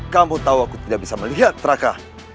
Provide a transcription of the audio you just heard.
kamu tahu aku tidak bisa melihat traka